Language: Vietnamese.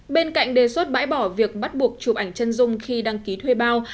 bên cạnh đề xuất bãi bỏ việc bắt buộc chụp ảnh chân dung khi đăng ký thuê bao